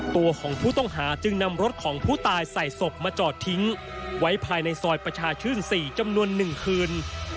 ตัวของผู้ต้องหาจึงนำรถของผู้ตายใส่ศพมาจอดทิ้งไว้ภายในซอยประชาชื่น๔จำนวน๑คืน